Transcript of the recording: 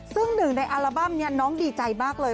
ซึ่งหนึ่งในอัลบั้มน้องดีใจมากเลย